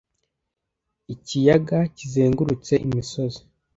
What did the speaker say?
Ikiyaga kizengurutse imisozi.